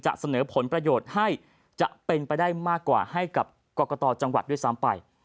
เสนอผลประโยชน์ให้จะเป็นไปได้มากกว่าให้กับกรกตจังหวัดด้วยซ้ำไป